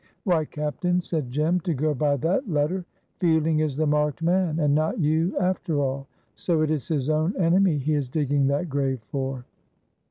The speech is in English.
"Why, captain," said Jem, "to go by that letter, Fielding is the marked man, and not you after all. So it is his own enemy he is digging that grave for."